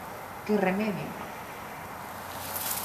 Que remedio!